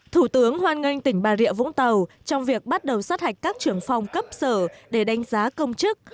thủ tướng hoan nghênh tỉnh bà rịa vũng tàu trong việc bắt đầu sát hạch các trưởng phòng cấp sở để đánh giá công chức